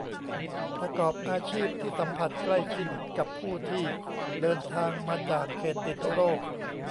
ประกอบอาชีพที่สัมผัสใกล้ชิดกับผู้ที่เดินทางมาจากเขตติดโรค